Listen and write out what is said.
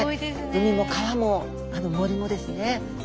海も川も森もですね。